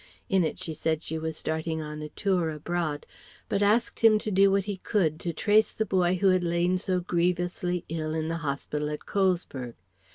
In it she said she was starting on a tour abroad, but asked him to do what he could to trace the boy who had lain so grievously ill in the hospital at Colesberg.